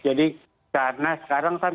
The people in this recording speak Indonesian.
jadi karena sekarang kan